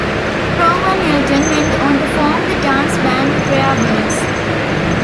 Crowe and Elton went on to form the dance band Rairbirds.